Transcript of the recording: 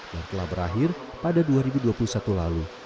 yang telah berakhir pada dua ribu dua puluh satu lalu